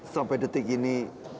sampai detik ini